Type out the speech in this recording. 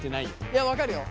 いや分かるよ。